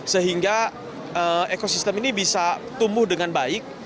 sehingga ekosistem ini bisa tumbuh dengan baik